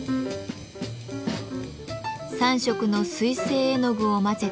３色の水性絵の具を混ぜて着色。